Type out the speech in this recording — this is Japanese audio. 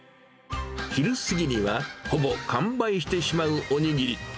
昼過ぎにはほぼ完売してしまうおにぎり。